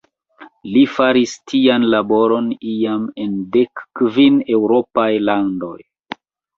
Li faris tian laboron iam en dek kvin eŭropaj landoj.